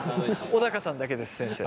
小高さんだけです先生。